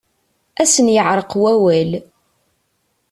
Ad asen-yeεreq wawal.